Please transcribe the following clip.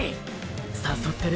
誘ってる？